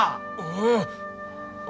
うん。